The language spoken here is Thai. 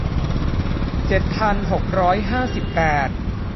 เจ็ดพันหกร้อยห้าสิบแปด